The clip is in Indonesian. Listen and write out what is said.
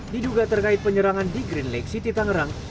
diduga terkait penyerangan di green lake city tangerang